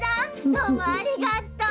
どうもありがとう。